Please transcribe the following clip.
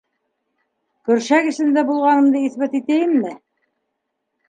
— Көршәк эсендә булғанымды иҫбат итәйемме?